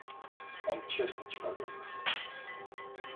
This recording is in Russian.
Он честный человек.